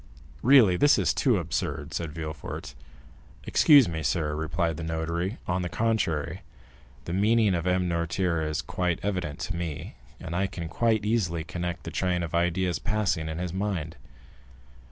"Really, this is too absurd," said Villefort. "Excuse me, sir," replied the notary; "on the contrary, the meaning of M. Noirtier is quite evident to me, and I can quite easily connect the train of ideas passing in his mind."